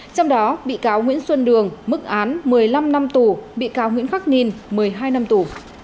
trong đó bị cáo nguyễn xuân đường mức án một mươi năm năm tù bị cáo nguyễn khắc ninh một mươi hai năm tù